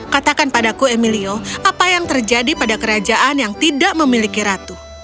katakan padaku emilio apa yang terjadi pada kerajaan yang tidak memiliki ratu